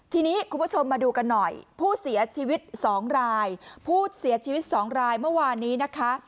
ทีนี้คุณผู้ชมมาดูกันหน่อยผู้เสียชีวิตสองรายผู้เสียชีวิตสองรายเมื่อวานนี้นะคะ